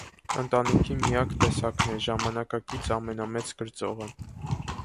Ընտանիքի միակ տեսակն է, ժամանակակից ամենամեծ կրծողը։